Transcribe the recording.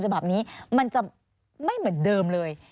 สวัสดีครับทุกคน